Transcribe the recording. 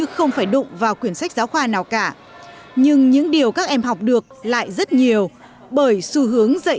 không có quyển sách giáo khoa nào cả nhưng những điều các em học được lại rất nhiều bởi xu hướng dạy